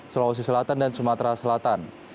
sulawesi selatan dan sumatera selatan